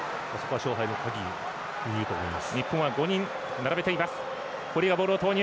勝敗の鍵を握ると思います。